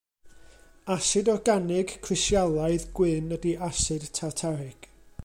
Asid organig, crisialaidd gwyn ydy asid tartarig.